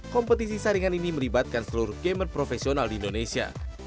kompetisi saringan ini melibatkan seluruh gamer profesional di indonesia